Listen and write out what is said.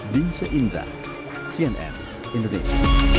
bin seindra cnn indonesia